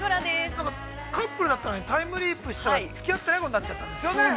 ◆なんかカップルだったのにタイムリープしたらつき合ってないことになったんですよね。